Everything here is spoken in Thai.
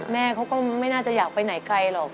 แม่เขาก็ไม่น่าจะอยากไปไหนไกลหรอก